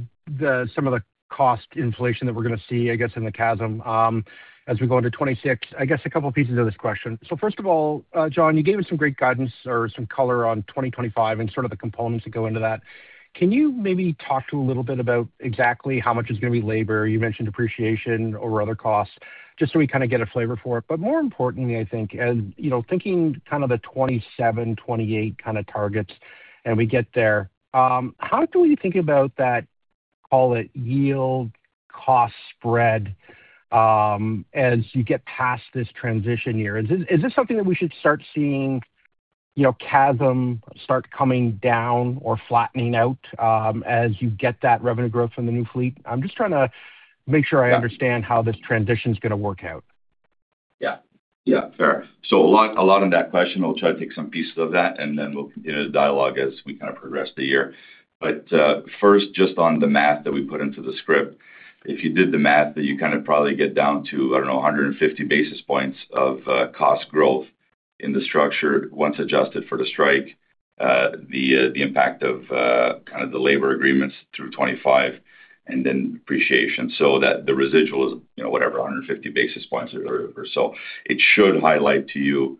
some of the cost inflation that we're going to see, I guess, in the CASM, as we go into 2026. I guess a couple pieces of this question. So first of all, John, you gave us some great guidance or some color on 2025 and sort of the components that go into that. Can you maybe talk to a little bit about exactly how much is going to be labor? You mentioned depreciation or other costs, just so we kind of get a flavor for it. But more importantly, I think as, you know, thinking kind of the 2027, 2028 kind of targets and we get there, how do we think about that, call it yield cost spread, as you get past this transition year? Is this, is this something that we should start seeing, you know, CASM start coming down or flattening out, as you get that revenue growth from the new fleet? I'm just trying to make sure I understand how this transition is going to work out. Yeah. Yeah. Fair. So a lot, a lot in that question. I'll try to take some pieces of that, and then we'll continue the dialogue as we kind of progress the year. But, first, just on the math that we put into the script. If you did the math, then you kind of probably get down to, I don't know, 150 basis points of cost growth in the structure once adjusted for the strike, the impact of kind of the labor agreements through 2025 and then depreciation, so that the residual is, you know, whatever, 150 basis points or so. It should highlight to you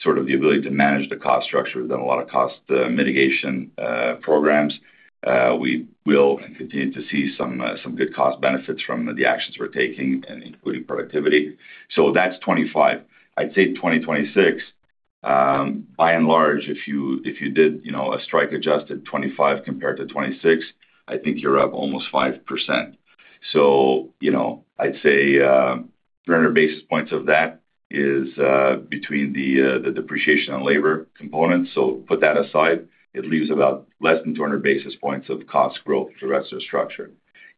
sort of the ability to manage the cost structure. We've done a lot of cost mitigation programs. We will continue to see some good cost benefits from the actions we're taking and including productivity. So that's 2025. I'd say 2026, by and large, if you did, you know, a strike adjusted 2025 compared to 2026, I think you're up almost 5%. So, you know, I'd say 300 basis points of that is between the depreciation and labor components. So put that aside, it leaves about less than 200 basis points of cost growth to the rest of the structure.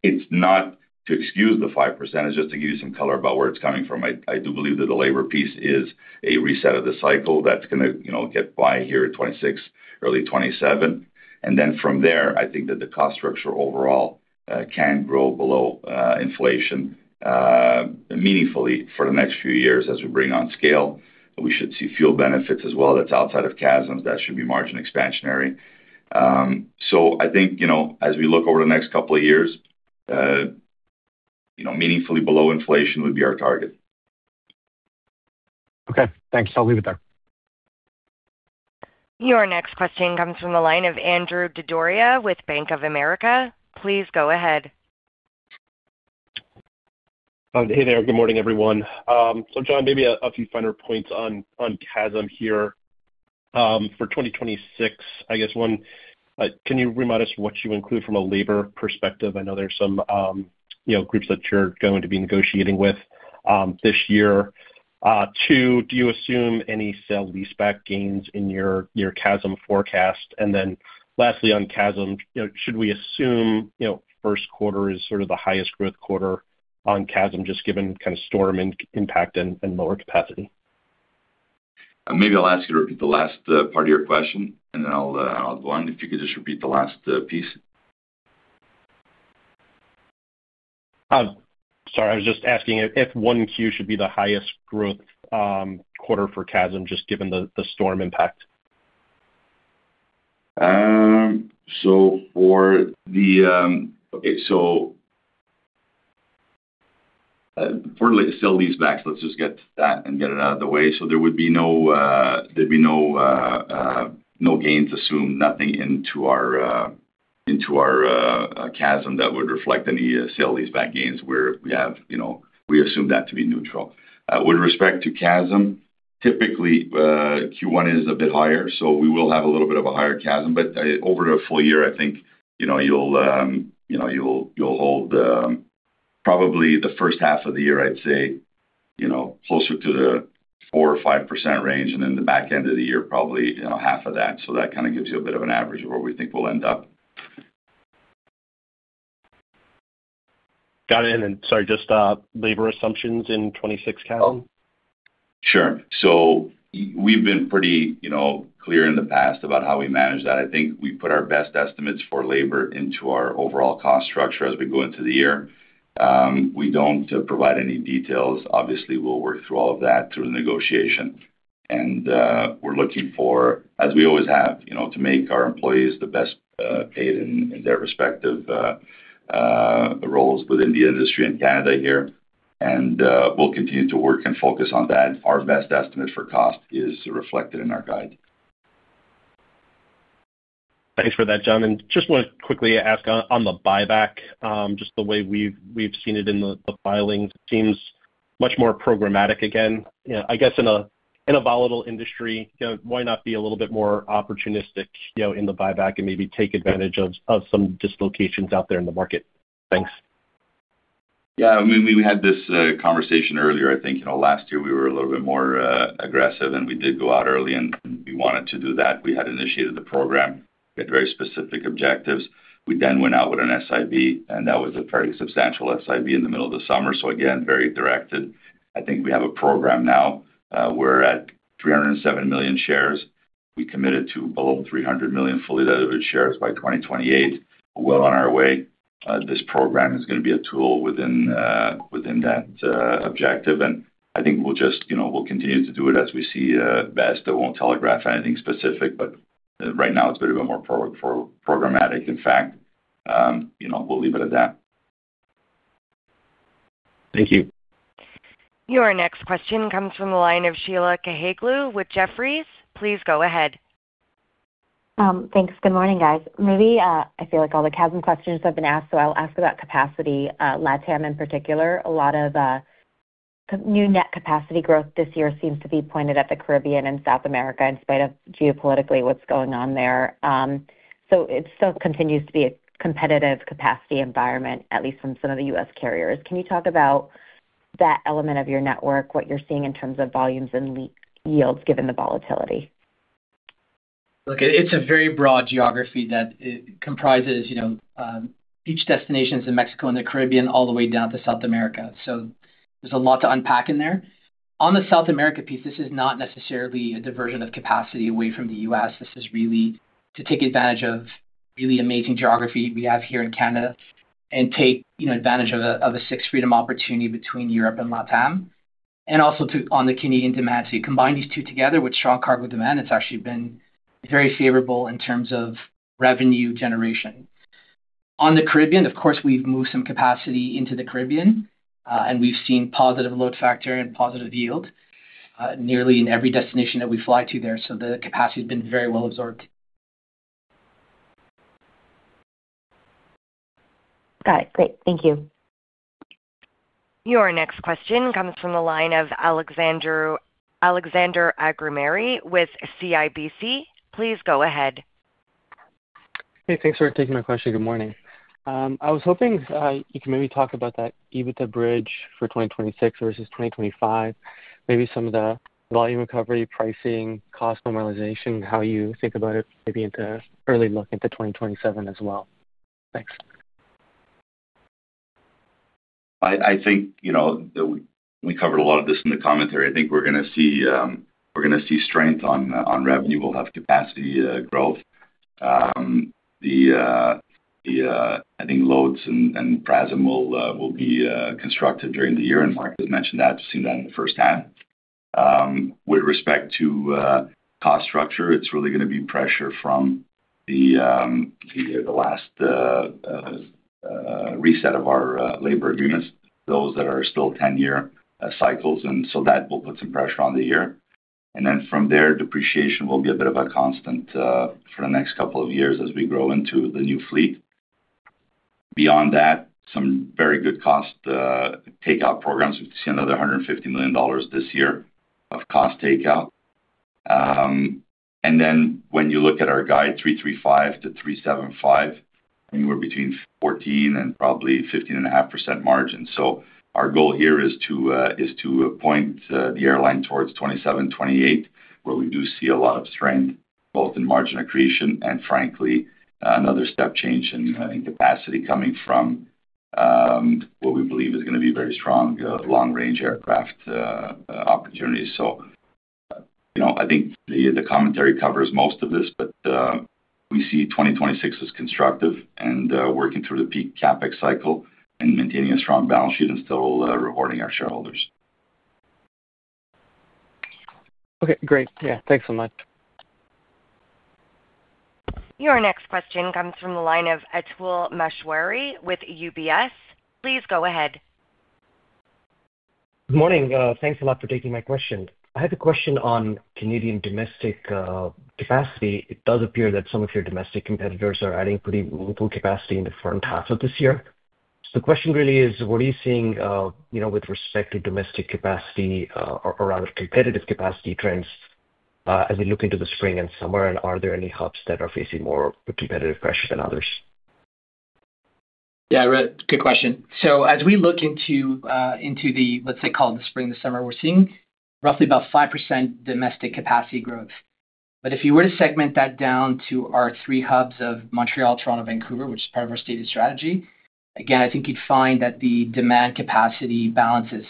It's not to excuse the 5%, it's just to give you some color about where it's coming from. I do believe that the labor piece is a reset of the cycle that's going to, you know, get by here in 2026, early 2027. And then from there, I think that the cost structure overall can grow below inflation meaningfully for the next few years as we bring on scale. We should see fuel benefits as well. That's outside of CASM. That should be margin expansionary. So I think, you know, as we look over the next couple of years, you know, meaningfully below inflation would be our target. Okay. Thanks. I'll leave it there. Your next question comes from the line of Andrew Didora with Bank of America. Please go ahead. Hey there. Good morning, everyone. So John, maybe a few finer points on CASM here, for 2026. I guess one, can you remind us what you include from a labour perspective? I know there's some, you know, groups that you're going to be negotiating with, this year. Two, do you assume any sale-leaseback gains in your CASM forecast? And then lastly, on CASM, you know, should we assume first quarter is sort of the highest growth quarter on CASM, just given kind of storm impact and lower capacity? Maybe I'll ask you to repeat the last part of your question, and then I'll go on. If you could just repeat the last piece. Sorry. I was just asking if 1Q should be the highest growth quarter for CASM, just given the storm impact? So for the sale-leasebacks, let's just get that and get it out of the way. So there would be no gains assumed, nothing into our CASM that would reflect any sale-leaseback gains where we have, you know, we assume that to be neutral. With respect to CASM, typically, Q1 is a bit higher, so we will have a little bit of a higher CASM. But over a full year, I think, you know, you'll hold, probably the first half of the year, I'd say, you know, closer to the 4%-5% range, and then the back end of the year, probably, you know, half of that. That kind of gives you a bit of an average of where we think we'll end up. Got it. And then, sorry, just, labor assumptions in 2026 CASM? Sure. So we've been pretty, you know, clear in the past about how we manage that. I think we put our best estimates for labor into our overall cost structure as we go into the year. We don't provide any details. Obviously, we'll work through all of that through the negotiation. And we're looking for, as we always have, you know, to make our employees the best paid in their respective roles within the industry in Canada here. And we'll continue to work and focus on that. Our best estimate for cost is reflected in our guide. Thanks for that, John, and just want to quickly ask on the buyback, just the way we've seen it in the filings, it seems much more programmatic again. You know, I guess in a volatile industry, you know, why not be a little bit more opportunistic, you know, in the buyback and maybe take advantage of some dislocations out there in the market? Thanks. Yeah, I mean, we had this conversation earlier. I think, you know, last year we were a little bit more aggressive, and we did go out early, and we wanted to do that. We had initiated the program. We had very specific objectives. We then went out with an SIB, and that was a very substantial SIB in the middle of the summer. So again, very directed. I think we have a program now. We're at 307 million shares. We committed to below 300 million fully diluted shares by 2028. We're well on our way. This program is going to be a tool within that objective, and I think we'll just, you know, we'll continue to do it as we see best. I won't telegraph anything specific, but right now it's a bit of a more pro- programmatic effect. You know, we'll leave it at that. Thank you. Your next question comes from the line of Sheila Kahyaoglu with Jefferies. Please go ahead. Thanks. Good morning, guys. Maybe, I feel like all the CASM questions have been asked, so I'll ask about capacity, LatAm in particular. A lot of new net capacity growth this year seems to be pointed at the Caribbean and South America, in spite of geopolitically what's going on there. So it still continues to be a competitive capacity environment, at least from some of the U.S. carriers. Can you talk about that element of your network, what you're seeing in terms of volumes and weak yields, given the volatility? Look, it's a very broad geography that comprises, you know, beach destinations in Mexico and the Caribbean, all the way down to South America. So there's a lot to unpack in there. On the South America piece, this is not necessarily a diversion of capacity away from the U.S. This is really to take advantage of really amazing geography we have here in Canada and take, you know, advantage of a Sixth Freedom opportunity between Europe and LatAm, and also to, on the Canadian demand. So you combine these two together with strong cargo demand, it's actually been very favorable in terms of revenue generation. On the Caribbean, of course, we've moved some capacity into the Caribbean, and we've seen positive load factor and positive yield, nearly in every destination that we fly to there, so the capacity has been very well absorbed. Got it. Great. Thank you. Your next question comes from the line of Alexander Augimeri with CIBC. Please go ahead. Hey, thanks for taking my question. Good morning. I was hoping you could maybe talk about that EBITDA bridge for 2026 versus 2025. Maybe some of the volume recovery, pricing, cost normalization, how you think about it, maybe into early look into 2027 as well. Thanks. I think, you know, we covered a lot of this in the commentary. I think we're going to see strength on revenue. We'll have capacity growth. I think loads and PRASM will be constructive during the year, and Mark has mentioned that, seen that firsthand. With respect to cost structure, it's really going to be pressure from the last reset of our labor agreements, those that are still 10-year cycles, and so that will put some pressure on the year. And then from there, depreciation will be a bit of a constant for the next couple of years as we grow into the new fleet. Beyond that, some very good cost takeout programs. We've seen another 150 million dollars this year of cost takeout. And then when you look at our guide, 335-375, and we're between 14% and probably 15.5% margin. So our goal here is to is to point the airline towards 27, 28, where we do see a lot of strength, both in margin accretion and frankly, another step change in, I think, capacity coming from what we believe is going to be very strong long-range aircraft opportunities. So, you know, I think the commentary covers most of this, but we see 2026 as constructive and working through the peak CapEx cycle and maintaining a strong balance sheet and still rewarding our shareholders. Okay, great. Yeah, thanks so much. Your next question comes from the line of Atul Maheswari with UBS. Please go ahead. Good morning. Thanks a lot for taking my question. I had a question on Canadian domestic capacity. It does appear that some of your domestic competitors are adding pretty little capacity in the front half of this year. So the question really is: what are you seeing, you know, with respect to domestic capacity, or rather, competitive capacity trends, as we look into the spring and summer? And are there any hubs that are facing more competitive pressure than others? Yeah, right. Good question. So as we look into the, let's say, call it the spring and the summer, we're seeing roughly about 5% domestic capacity growth. But if you were to segment that down to our three hubs of Montreal, Toronto, Vancouver, which is part of our stated strategy, again, I think you'd find that the demand capacity balance is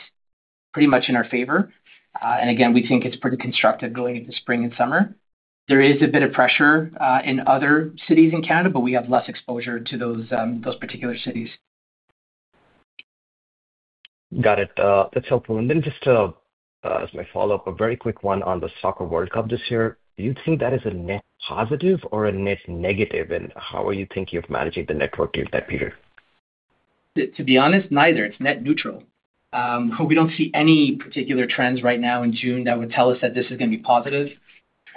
pretty much in our favor. And again, we think it's pretty constructive going into spring and summer. There is a bit of pressure in other cities in Canada, but we have less exposure to those particular cities. Got it. That's helpful. And then just, as my follow-up, a very quick one on the Soccer World Cup this year. Do you think that is a net positive or a net negative, and how are you thinking of managing the network during that period? To be honest, neither. It's net neutral. But we don't see any particular trends right now in June that would tell us that this is going to be positive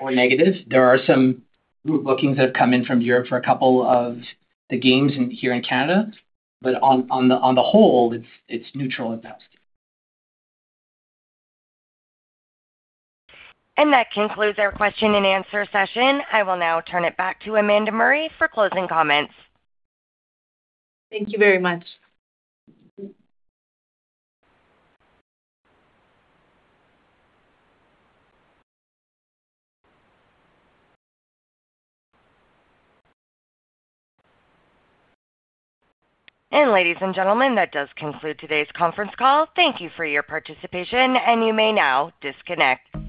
or negative. There are some bookings that have come in from Europe for a couple of the games in here in Canada, but on the whole, it's neutral at best. That concludes our question-and-answer session. I will now turn it back to Amanda Murray for closing comments. Thank you very much. Ladies and gentlemen, that does conclude today's conference call. Thank you for your participation, and you may now disconnect.